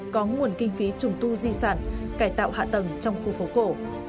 có nguồn kinh phí trùng tu di sản cải tạo hạ tầng trong khu phố cổ